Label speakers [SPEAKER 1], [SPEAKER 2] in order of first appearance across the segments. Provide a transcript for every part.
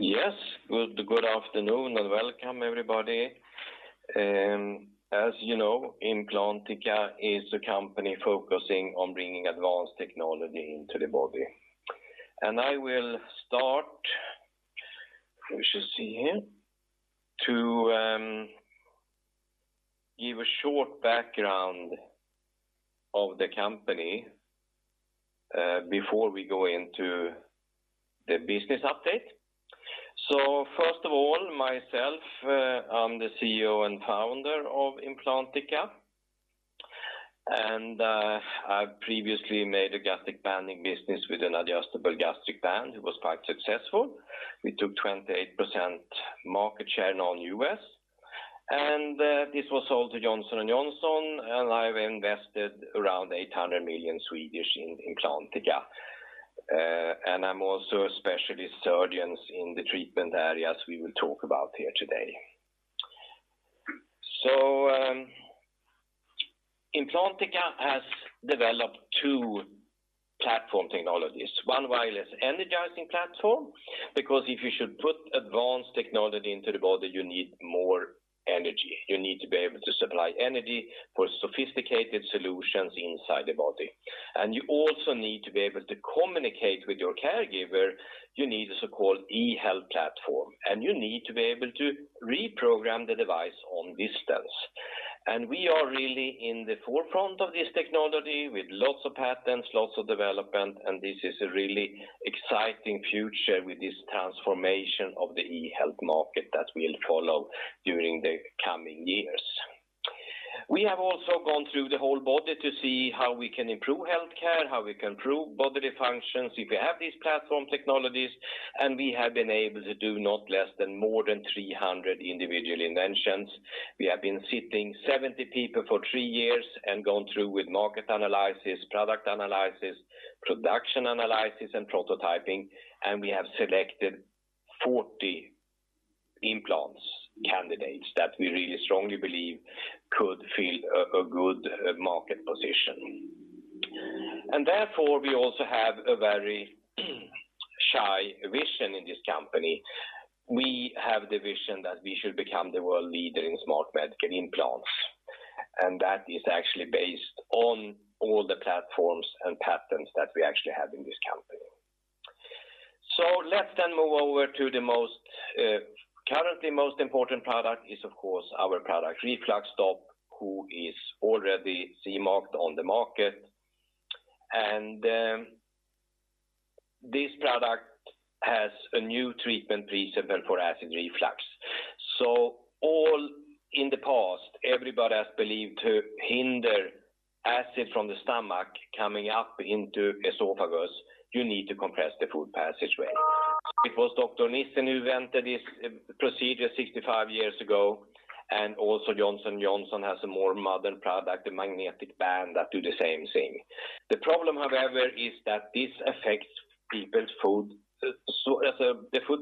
[SPEAKER 1] Good afternoon. Welcome everybody. As you know, Implantica is a company focusing on bringing advanced technology into the body. I will start, we should see here, to give a short background of the company before we go into the business update. First of all, myself, I'm the CEO and Founder of Implantica, and I previously made a gastric banding business with an adjustable gastric band. It was quite successful. We took 28% market share in all U.S., and this was sold to Johnson & Johnson, and I've invested around 800 million in Implantica. I'm also a specialist surgeon in the treatment areas we will talk about here today. Implantica has developed two platform technologies. One wireless energizing platform. Because if you should put advanced technology into the body, you need more energy. You need to be able to supply energy for sophisticated solutions inside the body. You also need to be able to communicate with your caregiver, you need a so-called eHealth platform, and you need to be able to reprogram the device on distance. We are really in the forefront of this technology with lots of patents, lots of development, and this is a really exciting future with this transformation of the eHealth market that we'll follow during the coming years. We have also gone through the whole body to see how we can improve healthcare, how we can improve bodily functions if we have these platform technologies, and we have been able to do not less than more than 300 individual inventions. We have been sitting 70 people for three years and gone through with market analysis, product analysis, production analysis, and prototyping. We have selected 40 implants candidates that we really strongly believe could fill a good market position. Therefore, we also have a very high vision in this company. We have the vision that we should become the world leader in smart medical implants. That is actually based on all the platforms and patents that we actually have in this company. Let's then move over to the currently most important product is of course our product RefluxStop, who is already CE marked on the market. This product has a new treatment principle for acid reflux. All in the past, everybody has believed to hinder acid from the stomach coming up into esophagus, you need to compress the food passageway. It was Dr. Nissen who invented this procedure 65 years ago, and also Johnson & Johnson has a more modern product, the LINX, that do the same thing. The problem, however, is that this affects people's food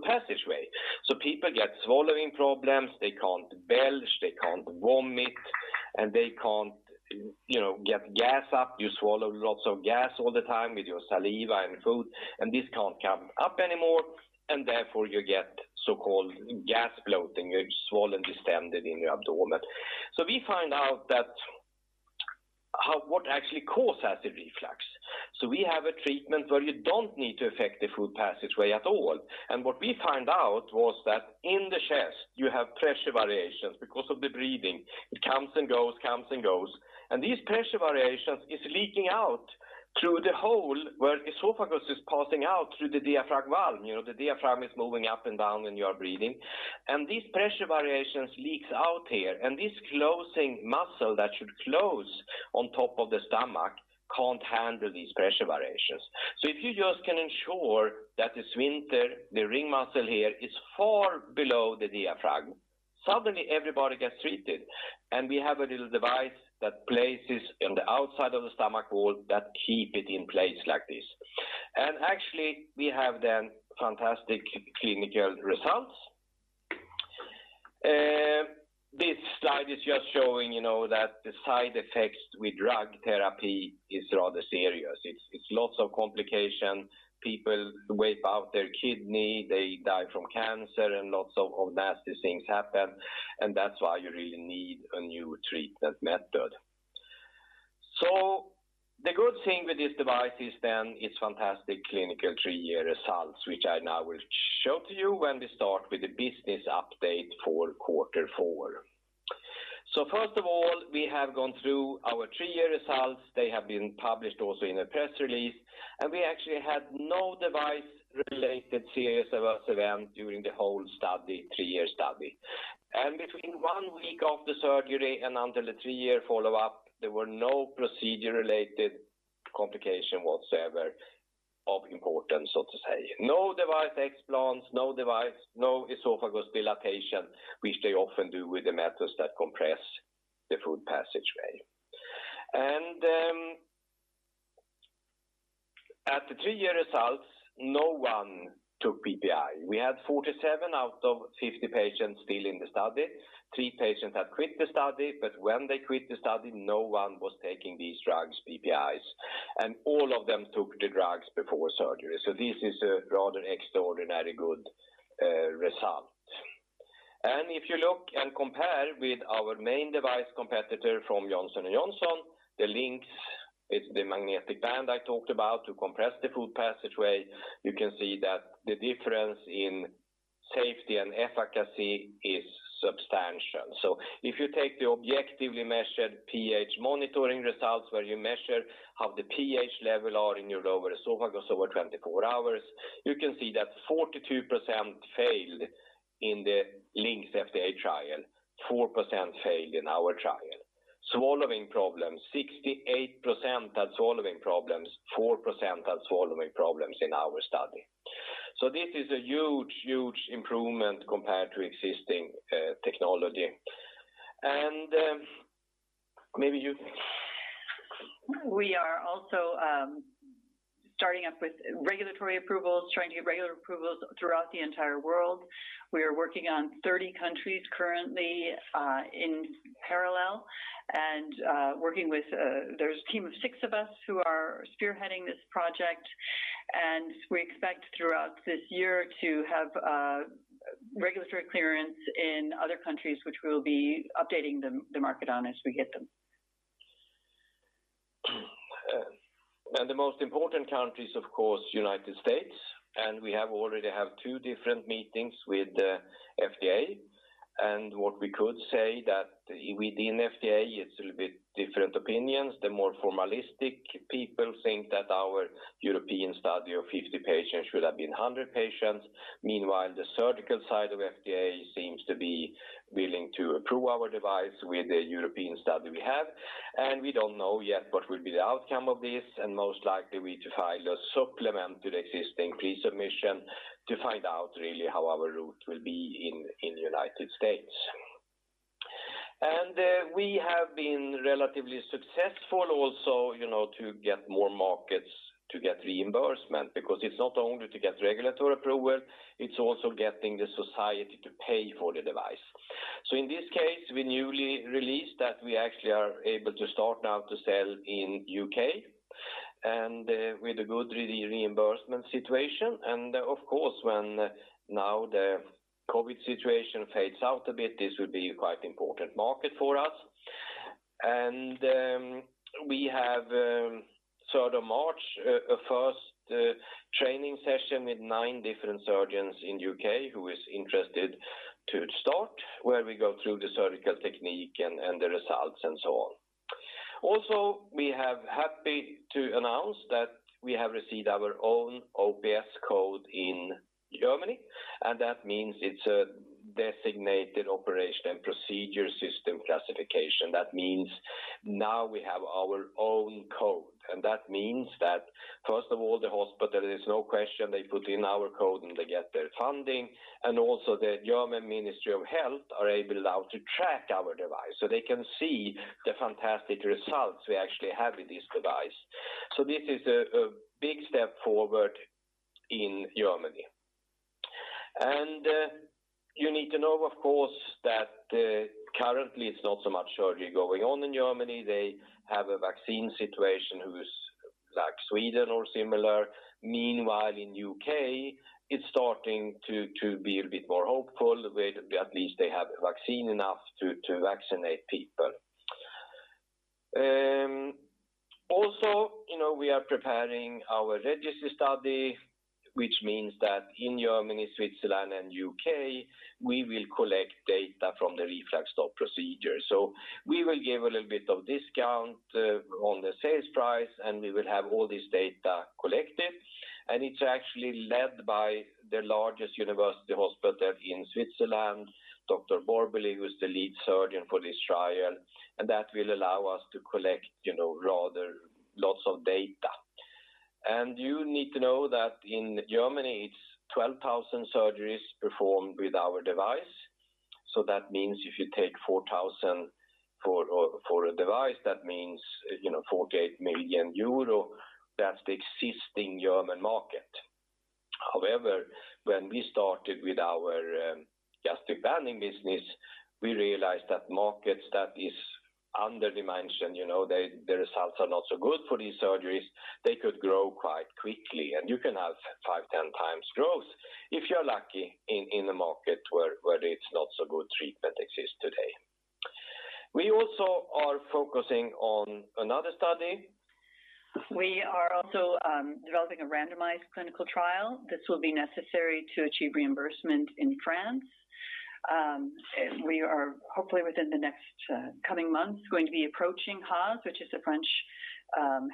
[SPEAKER 1] passageway. People get swallowing problems, they can't belch, they can't vomit, and they can't get gas up. You swallow lots of gas all the time with your saliva and food, and this can't come up anymore, and therefore you get so-called gas bloating. You're swollen, distended in your abdomen. We find out what actually cause acid reflux. We have a treatment where you don't need to affect the food passageway at all. What we found out was that in the chest, you have pressure variations because of the breathing. It comes and goes. This pressure variation is leaking out through the hole where esophagus is passing out through the diaphragm wall. The diaphragm is moving up and down when you are breathing. These pressure variations leaks out here, and this closing muscle that should close on top of the stomach can't handle these pressure variations. If you just can ensure that the sphincter, the ring muscle here, is far below the diaphragm, suddenly everybody gets treated. We have a little device that places in the outside of the stomach wall that keep it in place like this. Actually, we have then fantastic clinical results. This slide is just showing that the side effects with drug therapy is rather serious. It's lots of complication. People wipe out their kidney, they die from cancer, and lots of nasty things happen, and that's why you really need a new treatment method. The good thing with this device is then its fantastic clinical three-year results, which I now will show to you when we start with the business update for quarter four. First of all, we have gone through our three-year results. They have been published also in a press release. We actually had no device-related serious adverse event during the whole three-year study. Between one week of the surgery and until the three-year follow-up, there were no procedure-related complication whatsoever of importance, so to say. No device explants, no esophagus dilatation, which they often do with the methods that compress the food passageway. At the three-year results, no one took PPI. We had 47 out of 50 patients still in the study. Three patients had quit the study, but when they quit the study, no one was taking these drugs, PPIs, and all of them took the drugs before surgery. This is a rather extraordinary good result. If you look and compare with our main device competitor from Johnson & Johnson, the LINX, it's the magnetic band I talked about to compress the food passageway. You can see that the difference in safety and efficacy is substantial. If you take the objectively measured pH monitoring results, where you measure how the pH level are in your esophagus over 24 hours, you can see that 42% failed in the LINX FDA trial, 4% failed in our trial. Swallowing problems, 68% had swallowing problems, 4% had swallowing problems in our study. This is a huge improvement compared to existing technology.
[SPEAKER 2] We are also starting up with regulatory approvals, trying to get regulatory approvals throughout the entire world. We are working on 30 countries currently in parallel. There's a team of six of us who are spearheading this project, and we expect throughout this year to have regulatory clearance in other countries, which we'll be updating the market on as we get them.
[SPEAKER 1] The most important country is, of course, the United States, and we have already had two different meetings with the FDA. What we could say that within FDA, it's a little bit different opinions. The more formalistic people think that our European study of 50 patients should have been 100 patients. Meanwhile, the surgical side of FDA seems to be willing to approve our device with the European study we have. We don't know yet what will be the outcome of this. Most likely we to file a supplement to the existing Pre-Submission to find out really how our route will be in the United States. We have been relatively successful also to get more markets to get reimbursement, because it's not only to get regulatory approval, it's also getting the society to pay for the device. In this case, we newly released that we actually are able to start now to sell in U.K., and with a good reimbursement situation. Of course, when now the COVID situation fades out a bit, this will be a quite important market for us. We have third of March, a first training session with nine different surgeons in U.K. who is interested to start, where we go through the surgical technique and the results and so on. Also, we are happy to announce that we have received our own OPS code in Germany, and that means it's a designated operation and procedure system classification. That means now we have our own code, and that means that first of all, the hospital, there is no question they put in our code, and they get their funding. Also the German Ministry of Health are able now to track our device. They can see the fantastic results we actually have with this device. This is a big step forward in Germany. You need to know, of course, that currently it's not so much surgery going on in Germany. They have a vaccine situation who is like Sweden or similar. Meanwhile, in U.K., it's starting to be a little bit more hopeful where at least they have vaccine enough to vaccinate people. Also, we are preparing our registry study, which means that in Germany, Switzerland, and U.K., we will collect data from the RefluxStop procedure. We will give a little bit of discount on the sales price, and we will have all this data collected. It's actually led by the largest university hospital in Switzerland, Dr. Borbély, who's the lead surgeon for this trial. That will allow us to collect rather lots of data. You need to know that in Germany, it's 12,000 surgeries performed with our device. That means if you take 4,000 for a device, that means 48 million euro. That's the existing German market. However, when we started with our gastric banding business, we realized that markets that is under dimension, the results are not so good for these surgeries. They could grow quite quickly, and you can have five, 10 times growth if you're lucky in the market where it's not so good treatment exists today. We also are focusing on another study.
[SPEAKER 2] We are also developing a randomized clinical trial. This will be necessary to achieve reimbursement in France. We are hopefully within the next coming months, going to be approaching HAS, which is a French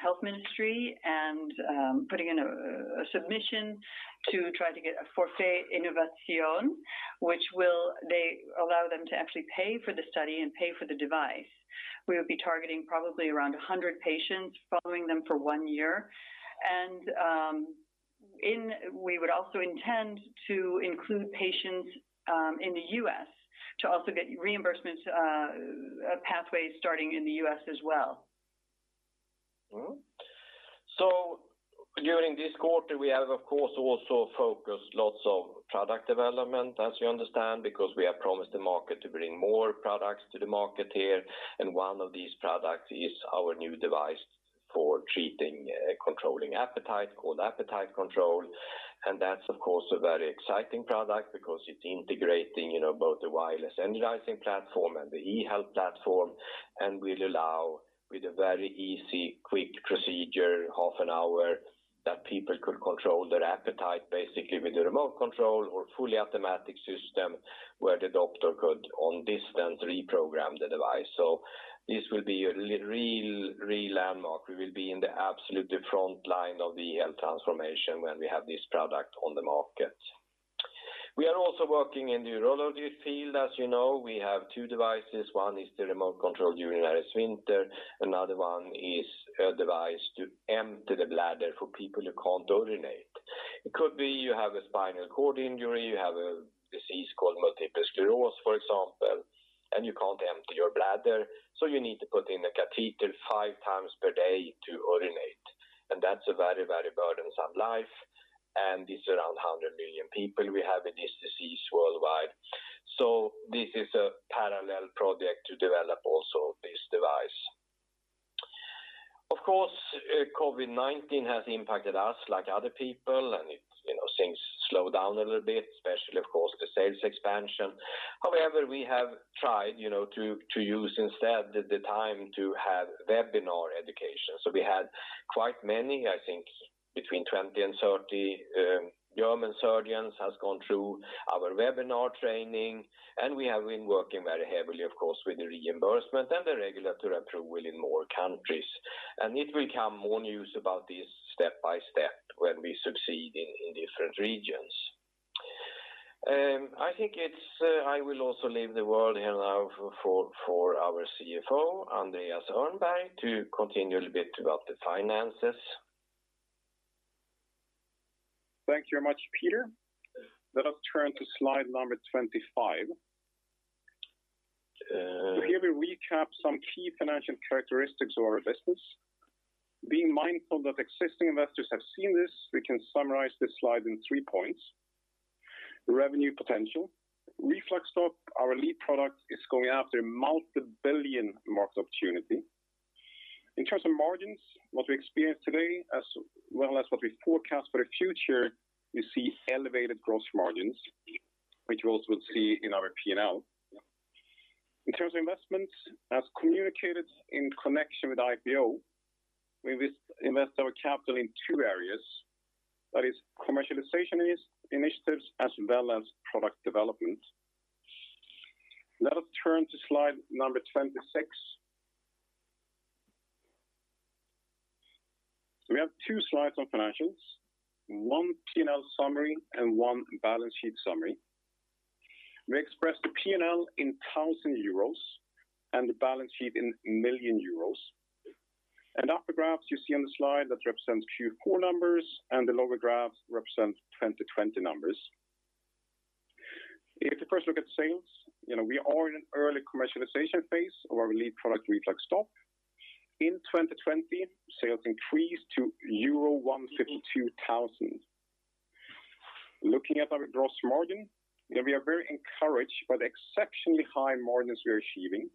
[SPEAKER 2] health ministry, and putting in a submission to try to get a Forfait Innovation, which will they allow them to actually pay for the study and pay for the device. We would be targeting probably around 100 patients, following them for one year. We would also intend to include patients in the U.S. to also get reimbursement pathways starting in the U.S. as well.
[SPEAKER 1] During this quarter, we have of course also focused lots of product development, as you understand, because we have promised the market to bring more products to the market here, and one of these products is our new device for treating and controlling appetite called AppetiteControl. That's, of course, a very exciting product because it's integrating both the wireless energizing platform and the eHealth platform, and will allow, with a very easy, quick procedure, half an hour, that people could control their appetite basically with a remote control or fully automatic system where the doctor could, on distance, reprogram the device. This will be a real landmark. We will be in the absolute frontline of the eHealth transformation when we have this product on the market. We are also working in the urology field. As you know, we have two devices. One is the remote-controlled urinary sphincter. Another one is a device to empty the bladder for people who can't urinate. It could be you have a spinal cord injury, you have a disease called multiple sclerosis, for example, and you can't empty your bladder. You need to put in a catheter five times per day to urinate. That's a very, very burdensome life, and it's around 100 million people we have with this disease worldwide. This is a parallel project to develop also this device. Of course, COVID-19 has impacted us like other people, and things slowed down a little bit, especially, of course, the sales expansion. However, we have tried to use instead the time to have webinar education. We had quite many, I think between 20 and 30 German surgeons have gone through our webinar training, and we have been working very heavily, of course, with the reimbursement and the regulatory approval in more countries. It will come more news about this step by step when we succeed in different regions. I think I will also leave the word here now for our CFO, Andreas Öhrnberg, to continue a little bit about the finances.
[SPEAKER 3] Thank you very much, Peter. Let us turn to slide number 25. Here we recap some key financial characteristics of our business. Being mindful that existing investors have seen this, we can summarize this slide in three points. Revenue potential. RefluxStop, our lead product, is going after a multi-billion market opportunity. In terms of margins, what we experience today as well as what we forecast for the future, you see elevated gross margins, which you also will see in our P&L. In terms of investments, as communicated in connection with IPO, we invest our capital in two areas. That is commercialization initiatives as well as product development. Let us turn to slide number 26. We have two slides on financials, one P&L summary and one balance sheet summary. We express the P&L in 1,000 euros and the balance sheet in million euros. Upper graphs you see on the slide, that represents Q4 numbers, and the lower graphs represent 2020 numbers. First look at sales. We are in an early commercialization phase of our lead product, RefluxStop. In 2020, sales increased to euro 152,000. Looking at our gross margin, we are very encouraged by the exceptionally high margins we are achieving,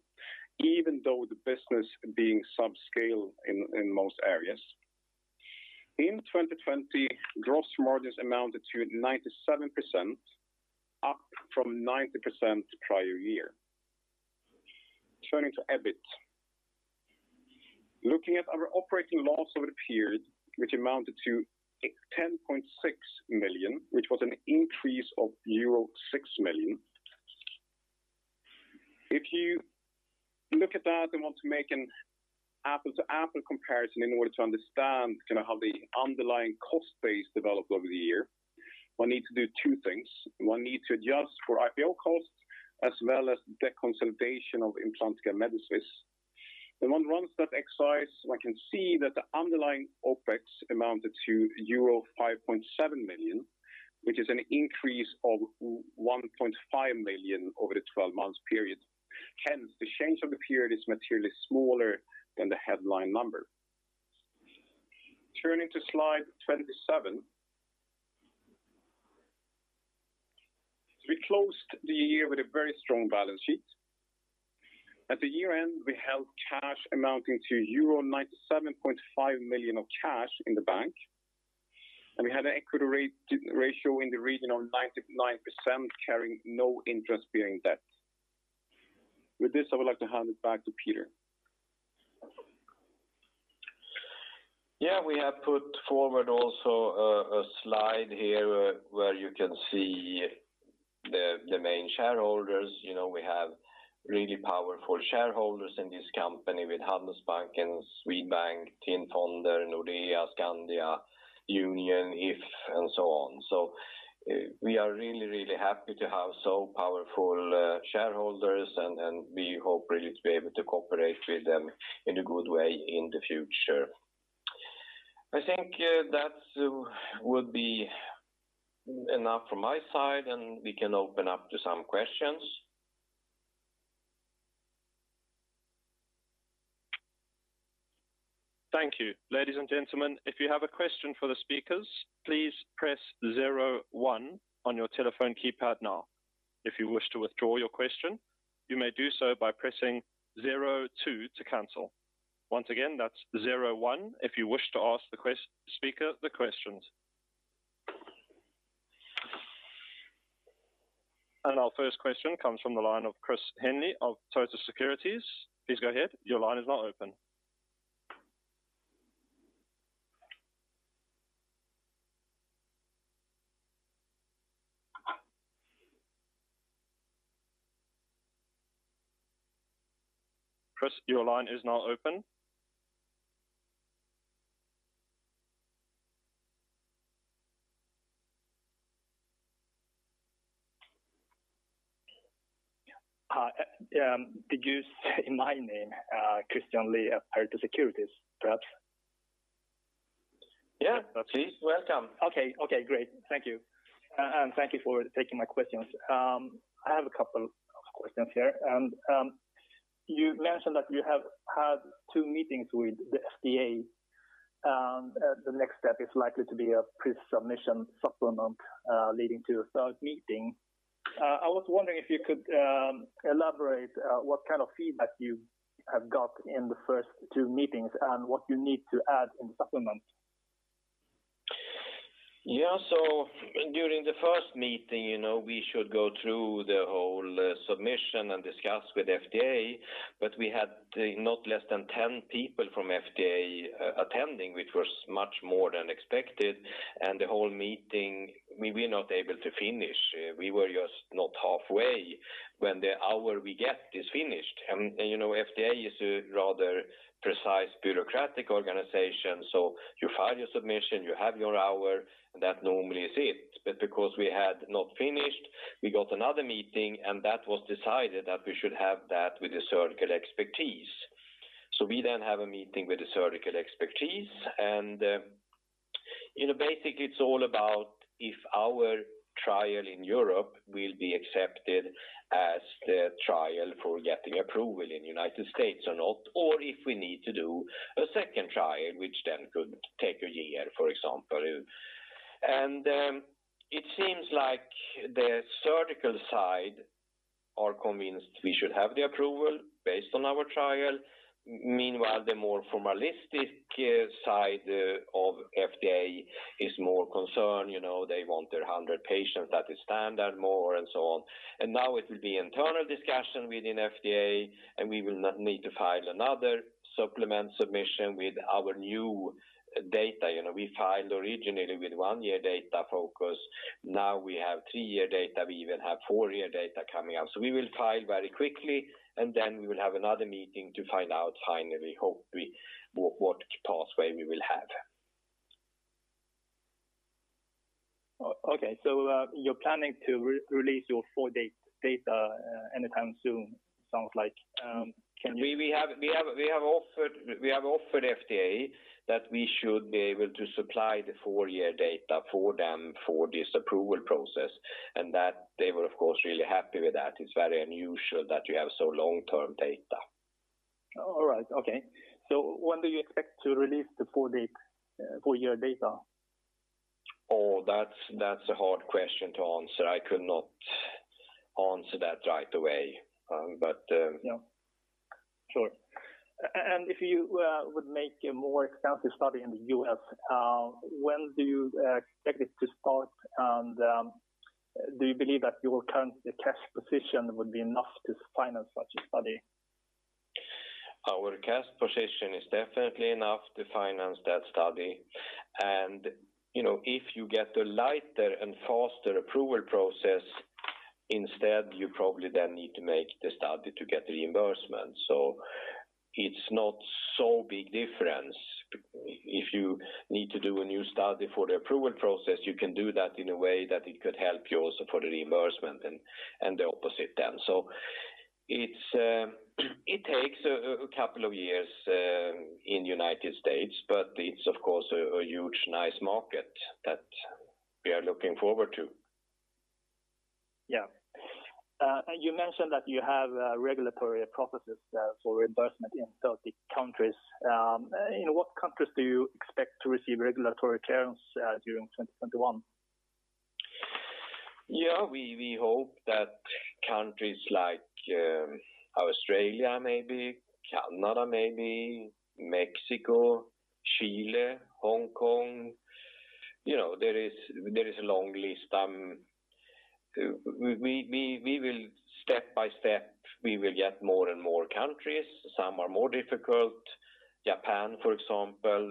[SPEAKER 3] even though the business being subscale in most areas. In 2020, gross margins amounted to 97%, up from 90% the prior year. Turning to EBIT. Looking at our operating loss over the period, which amounted to 10.6 million, which was an increase of euro 6 million. Looking at that and want to make an apple-to-apple comparison in order to understand how the underlying cost base developed over the year, one needs to do two things. One needs to adjust for IPO costs as well as the consolidation of Implantica MediSwiss AG. When one does that exercise, one can see that the underlying OpEx amounted to euro 5.7 million, which is an increase of 1.5 million over the 12 months period. Hence, the change over the period is materially smaller than the headline number. Turning to slide 27. We closed the year with a very strong balance sheet. At the year-end, we held cash amounting to euro 97.5 million of cash in the bank. We had an equity ratio in the region of 99%, carrying no interest-bearing debt. With this, I would like to hand it back to Peter.
[SPEAKER 1] Yeah, we have put forward also a slide here where you can see the main shareholders. We have really powerful shareholders in this company with Handelsbanken, Swedbank, TIN Fonder, Nordea, Skandia, Unionen, If, and so on. We are really, really happy to have so powerful shareholders, and we hope really to be able to cooperate with them in a good way in the future. I think that would be enough from my side, and we can open up to some questions.
[SPEAKER 4] Thank you. Ladies and gentlemen, if you have a question for the speakers, please press zero one on your telephone keypad now. If you wish to withdraw your question, you may do so by pressing zero two to cancel. Once again, that's zero one if you wish to ask the speaker the questions. Our first question comes from the line of Christian Lee of Pareto Securities. Please go ahead. Your line is now open. Christian, your line is now open.
[SPEAKER 5] Hi. Did you say my name, Christian Lee of Pareto Securities, perhaps?
[SPEAKER 1] Yeah.
[SPEAKER 5] Okay.
[SPEAKER 1] Please, welcome.
[SPEAKER 5] Okay, great. Thank you. Thank you for taking my questions. I have a couple of questions here. You mentioned that you have had two meetings with the FDA, and the next step is likely to be a Pre-Submission supplement, leading to a third meeting. I was wondering if you could elaborate what kind of feedback you have got in the first two meetings, and what you need to add in supplement.
[SPEAKER 1] Yeah. During the first meeting, we should go through the whole submission and discuss with FDA, but we had not less than 10 people from FDA attending, which was much more than expected. The whole meeting, we were not able to finish. We were just not halfway when the hour we get is finished. FDA is a rather precise bureaucratic organization, so you file your submission, you have your hour, and that normally is it. Because we had not finished, we got another meeting, and that was decided that we should have that with the surgical expertise. We then have a meeting with the surgical expertise, and basically, it's all about if our trial in Europe will be accepted as the trial for getting approval in United States or not, or if we need to do a second trial, which then could take a year, for example. It seems like the surgical side are convinced we should have the approval based on our trial. Meanwhile, the more formalistic side of FDA is more concerned. They want their 100 patients, that is standard more, and so on. Now it will be internal discussion within FDA, and we will need to file another supplement submission with our new data. We filed originally with one-year data focus. Now we have three-year data. We even have four-year data coming out. We will file very quickly, and then we will have another meeting to find out finally, hopefully, what pathway we will have.
[SPEAKER 5] Okay. you're planning to release your four-year data anytime soon, sounds like.
[SPEAKER 1] We have offered FDA that we should be able to supply the four-year data for them for this approval process. That they were, of course, really happy with that. It's very unusual that you have so long-term data.
[SPEAKER 5] All right. Okay. When do you expect to release the full four-year data?
[SPEAKER 1] Oh, that's a hard question to answer. I could not answer that right away.
[SPEAKER 5] Yeah. Sure. If you would make a more extensive study in the U.S., when do you expect it to start? Do you believe that your current cash position would be enough to finance such a study?
[SPEAKER 1] Our cash position is definitely enough to finance that study. If you get a lighter and faster approval process instead, you probably then need to make the study to get the reimbursement. It's not so big difference. If you need to do a new study for the approval process, you can do that in a way that it could help you also for the reimbursement and the opposite then. It takes a couple of years in United States, but it's of course a huge, nice market that we are looking forward to.
[SPEAKER 5] Yeah. You mentioned that you have regulatory processes for reimbursement in 30 countries. In what countries do you expect to receive regulatory clearance during 2021?
[SPEAKER 1] Yeah. We hope that countries like Australia maybe, Canada maybe, Mexico, Chile, Hong Kong. There is a long list. Step by step, we will get more and more countries. Some are more difficult. Japan, for example,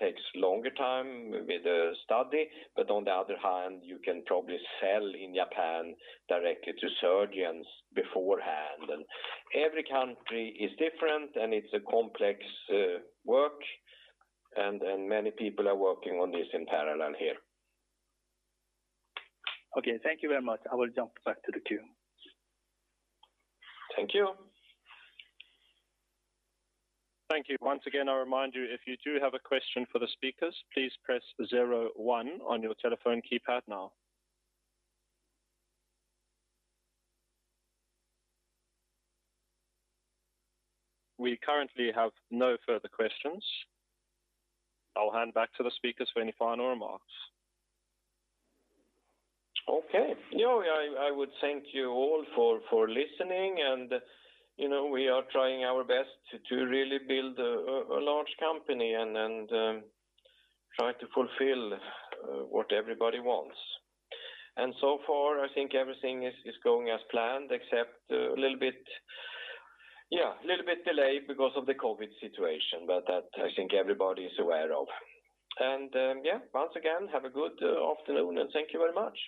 [SPEAKER 1] takes longer time with the study. On the other hand, you can probably sell in Japan directly to surgeons beforehand. Every country is different, and it's a complex work. Many people are working on this in parallel here.
[SPEAKER 5] Okay. Thank you very much. I will jump back to the queue.
[SPEAKER 1] Thank you.
[SPEAKER 4] Thank you. Once again, I remind you, if you do have a question for the speakers, please press zero one on your telephone keypad now. We currently have no further questions. I will hand back to the speakers for any final remarks.
[SPEAKER 1] Okay. Yeah. I would thank you all for listening, and we are trying our best to really build a large company and then try to fulfill what everybody wants. So far, I think everything is going as planned, except a little bit delay because of the COVID situation. That I think everybody is aware of. Yeah. Once again, have a good afternoon, and thank you very much.